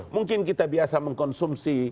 mungkin kita biasa mengkonsumsi